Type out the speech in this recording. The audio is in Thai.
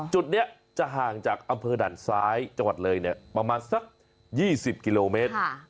จุดนี้จะห่างจากอำเภอด่านซ้ายจังหวัดเลยเนี่ยประมาณสัก๒๐กิโลเมตร